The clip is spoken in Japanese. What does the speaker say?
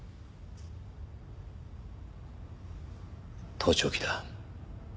盗聴器だ。